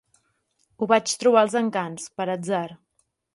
Ho vaig trobar als encants, per atzar.